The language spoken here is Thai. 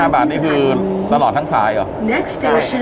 ๕บาทนี่คือตลอดทั้งสายเหรอ